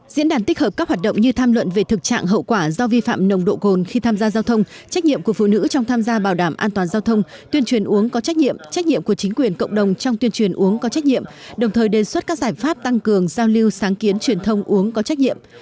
diễn đàn tích hợp các hoạt động như tham luận về thực trạng hậu quả do vi phạm nồng độ cồn khi tham gia giao thông trách nhiệm của phụ nữ trong tham gia bảo đảm an toàn giao thông tuyên truyền uống có trách nhiệm trách nhiệm của chính quyền cộng đồng trong tuyên truyền uống có trách nhiệm đồng thời đề xuất các giải pháp tăng cường giao lưu sáng kiến truyền thông uống có trách nhiệm